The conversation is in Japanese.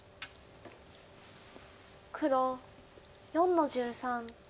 黒４の十三。